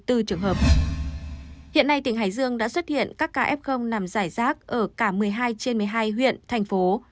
hiện nay tỉnh hải dương đã xuất hiện các ca f nằm giải rác ở cả một mươi hai trên một mươi hai huyện thành phố